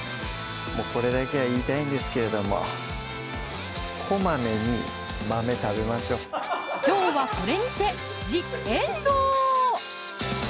これだけは言いたいんですけどもきょうはこれにてジ・エンドー！